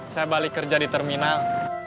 saya balik kerja di terminal